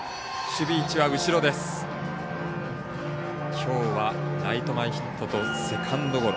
きょうはライト前ヒットとセカンドゴロ。